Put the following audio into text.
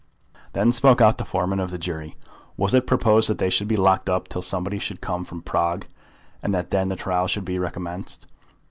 Then spoke out the foreman of the jury. Was it proposed that they should be locked up till somebody should come from Prague, and that then the trial should be recommenced?